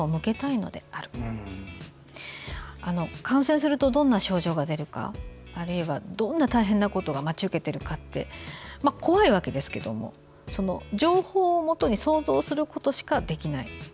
感染すると、どんな症状が出るかあるいは、どんな大変なことが待ち受けているかって怖いわけですけども情報をもとに想像することしかできない。